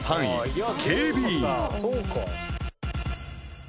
そうか。